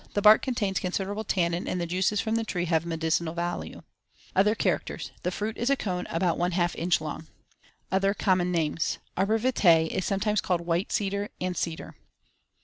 The bark contains considerable tannin and the juices from the tree have a medicinal value. Other characters: The fruit is a cone about ½ inch long. Other common names: Arbor vitae is sometimes called white cedar and cedar.